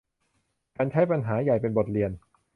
ฉันใช้ปัญหาใหญ่เป็นบทเรียน